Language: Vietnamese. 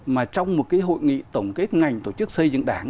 mà trong một cái hội nghị tổng kết ngành tổ chức xây dựng đảng